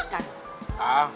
mbak lu lagi makan